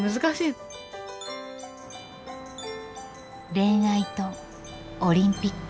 恋愛とオリンピック。